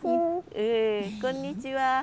こんにちは。